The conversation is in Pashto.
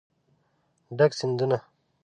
ډک سیندونه